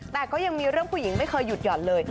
แต่ก็ยังมีเรื่องผู้หญิงไม่เคยหยุดหย่อนเลย